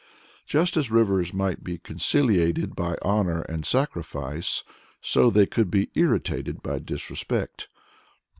" Just as rivers might be conciliated by honor and sacrifice, so they could be irritated by disrespect.